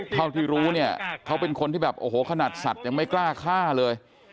เท่าที่รู้เนี่ยเขาเป็นคนที่แบบโอ้โหขนาดสัตว์ยังไม่กล้าฆ่าเลย